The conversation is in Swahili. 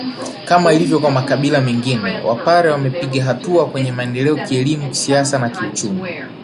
Kama ilivyo kwa makabila mengine wapare wamepiga hatua kwenye maendeleo kielimu kisiasa na kichumi